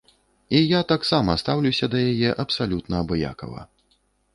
І я таксама стаўлюся да яе абсалютна абыякава.